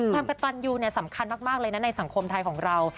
ความกระตันยูสำคัญมากเลยนะในสังคมไทยของเรา